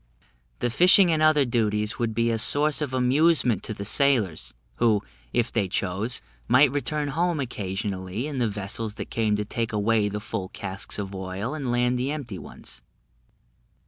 The fishing and other duties would be a source of amusement to the sailors, who, if they chose, might return home occasionally in the vessels that came to take away the full casks of oil and land the empty ones."